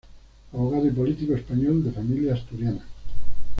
Abogado y político español, de familia asturiana.